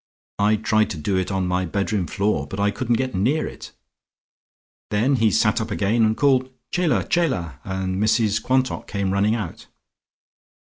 I tried to do it on my bedroom floor, but I couldn't get near it. Then he sat up again and called 'Chela! Chela!' and Mrs Quantock came running out."